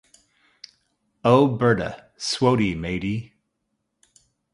O Birtha, swotie mayde!